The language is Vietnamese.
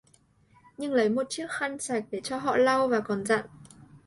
Nhưng lấy một chiếc khăn sạch để cho họ lau và còn dặn